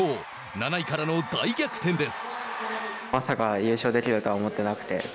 ７位からの大逆転です。